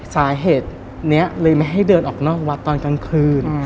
สาเหตุนี้เลยไม่ให้เดินออกนอกวัดตอนกลางคืน